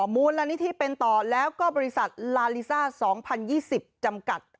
มูลนิธิเป็นต่อแล้วก็บริษัทลาลิซ่า๒๐๒๐จำกัด